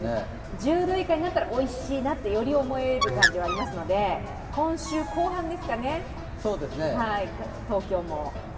１０度以下になったら、よりおいしいなと思える感じがしますので今週後半ですかね、東京も。